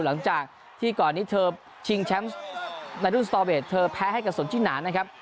หลังจากที่ก่อนนี้เธอชิงแชมป์ในรุ่นสตอเวทเธอแพ้ให้กับสนจิหนานะครับ